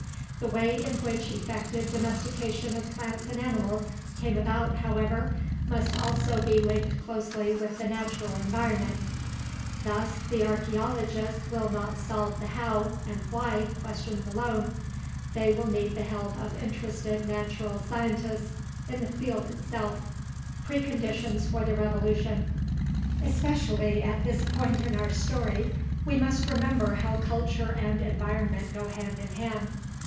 The way in which effective domestication of plants and animals came about, however, must also be linked closely with the natural environment. Thus the archeologists will not solve the how and why questions alone they will need the help of interested natural scientists in the field itself. PRECONDITIONS FOR THE REVOLUTION Especially at this point in our story, we must remember how culture and environment go hand in hand.